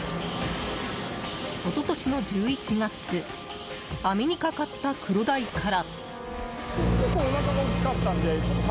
一昨年の１１月網にかかったクロダイから。